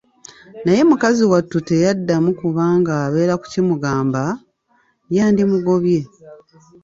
Naye mukazi wattu teyaddamu kubanga abeera kukimugamba, yandimugobye.